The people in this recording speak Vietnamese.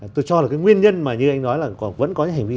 tôi cho là cái nguyên nhân mà như anh nói là vẫn có những hành vi